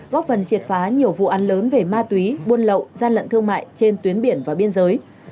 góp phần triệt phá nhiều vụ án lớn về ma túy buôn lậu gian lận thương mại trên tuyến biển và biên giới